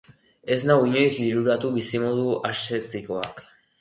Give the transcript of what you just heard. Ez nau inoiz liluratu bizimodu aszetikoak.